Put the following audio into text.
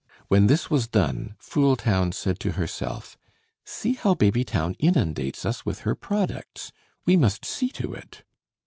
When this was done, Fooltown said to herself, "See how Babytown inundates us with her products; we must see to it."